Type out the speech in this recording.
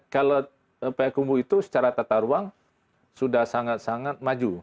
kalau payakumbu itu secara tata ruang sudah sangat sangat maju